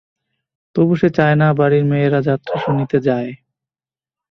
তবু সে চায় না বাড়ির মেয়েরা যাত্রা শুনিতে যায়।